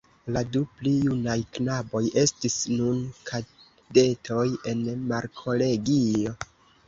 La du pli junaj knaboj estis nun kadetoj en markolegio.